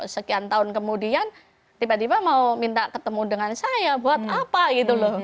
sekian tahun kemudian tiba tiba mau minta ketemu dengan saya buat apa gitu loh